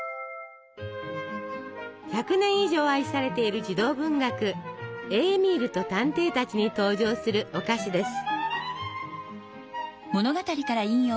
１００年以上愛されている児童文学「エーミールと探偵たち」に登場するお菓子です。